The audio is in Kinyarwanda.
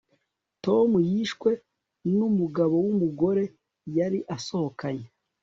Tom yishwe numugabo wumugore yari asohokanye